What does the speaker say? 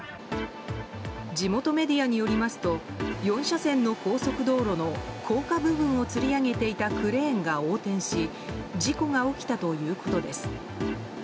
地元メディアによりますと４車線の高速道路の高架部分をつり上げていたクレーンが横転し事故が起きたということです。